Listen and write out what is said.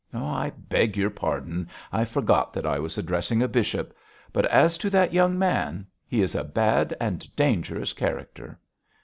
'I beg your pardon, I forgot that I was addressing a bishop. But as to that young man, he is a bad and dangerous character.'